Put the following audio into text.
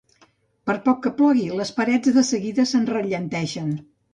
Per poc que plogui, les parets de seguida s'enrellenteixen.